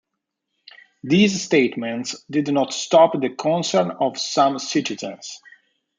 These statements did not stop the concern of some citizens.